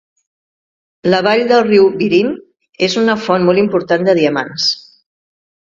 La vall del riu Birim és una font molt important de diamants.